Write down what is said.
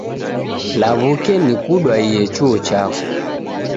Law'uke nikudwaie chuo chako.